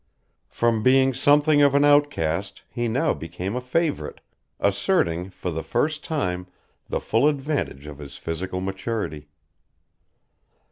From being something of an outcast he now became a favourite, asserting, for the first time, the full advantage of his physical maturity.